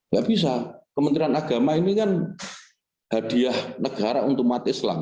gak bisa kementerian agama ini kan hadiah negara untuk umat islam